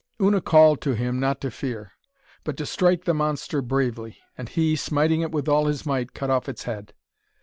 Una called to him not to fear, but to strike the monster bravely. And he, smiting it with all his might, cut off its head.